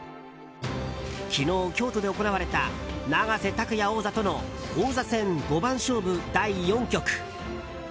昨日、京都で行われた永瀬拓矢王座との王座戦五番勝負第４局。